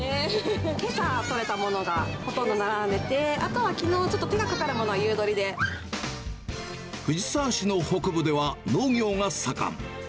けさ取れたものがほとんど並んでてて、あとはきのうちょっと、藤沢市の北部では、農業が盛ん。